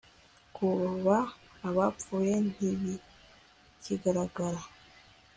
Kuba abapfuye ntibikigaragara